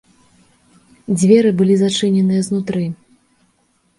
Дзверы былі зачыненыя знутры.